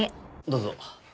どうぞ。